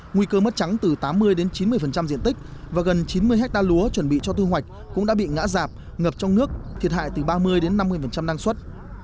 nguy cơ mất trắng từ tám mươi đến chín mươi diện tích và gần chín mươi hectare lúa chuẩn bị cho thu hoạch cũng đã bị ngã rạp ngập trong nước thiệt hại từ ba mươi đến năm mươi năng suất